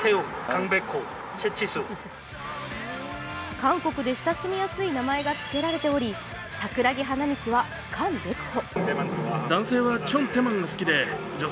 韓国で親しみやすい名前がつけられており桜木花道は、カン・ベクホ。